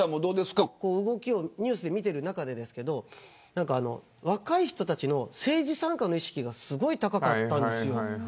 動きをニュースで見ている中で若い人の政治参加の意識がすごく高かったんですよ。